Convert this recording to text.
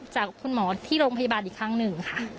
จากคุณหมอที่โรงพยาบาลอีกครั้งหนึ่งค่ะ